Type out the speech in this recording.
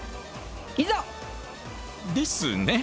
いざ！ですね。